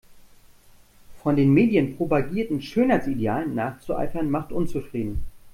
Von den Medien propagierten Schönheitsidealen nachzueifern macht unzufrieden.